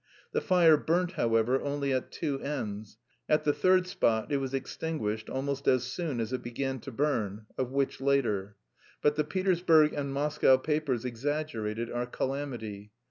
(The fire burnt, however, only at two ends; at the third spot it was extinguished almost as soon as it began to burn of which later.) But the Petersburg and Moscow papers exaggerated our calamity.